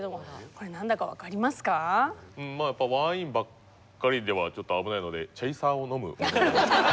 やっぱワインばっかりではちょっと危ないので「チェイサー」を飲むものでもある。